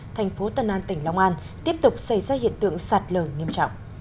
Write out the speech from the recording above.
thành phố tân an tỉnh long an tiếp tục xảy ra hiện tượng sạt lở nghiêm trọng